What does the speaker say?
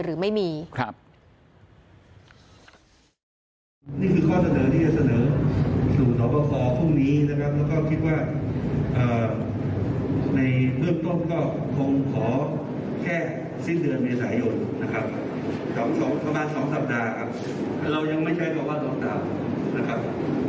ครูนี้ในเป็นเรื่องของคณะกรรมการต้องทิบต่อจังหวัด